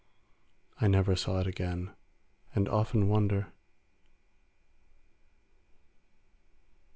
I never saw it again, and often wonder.